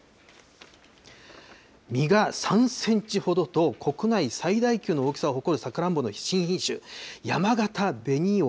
実が３センチほどと、国内最大級の大きさを誇るさくらんぼの新品種、やまがた紅王。